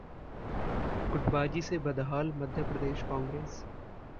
गुटबाजी से बदहाल मध्य प्रदेश कांग्रेस